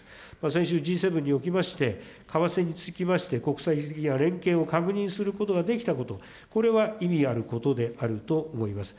先週、Ｇ７におきまして、為替につきまして、国際的な連携を確認することができたこと、これは意味あることであると思います。